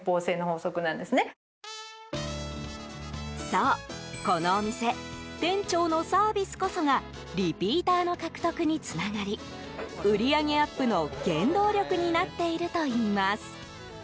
そう、このお店店長のサービスこそがリピーターの獲得につながり売上アップの原動力になっているといいます。